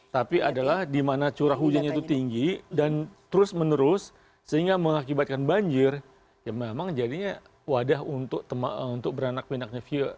tapi adalah di mana curah hujannya itu tinggi dan terus menerus sehingga mengakibatkan banjir ya memang jadinya wadah untuk beranak pinaknya view